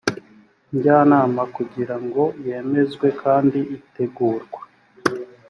njyanama kugira ngo yemezwe kandi itegurwa